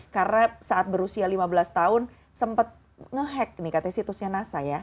karena saat berusia lima belas tahun sempat nge hack nih katanya situsnya nasa ya